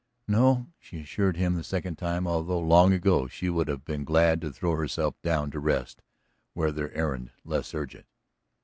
"No," she assured him the second time, although long ago she would have been glad to throw herself down to rest, were their errand less urgent.